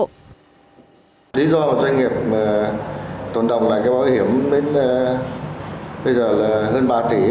lý do doanh nghiệp tôn đồng là cái bảo hiểm bây giờ là hơn ba tỷ